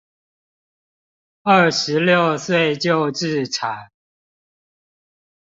二十六歲就置產